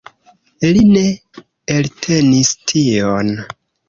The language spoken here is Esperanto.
Li ne eltenis tion.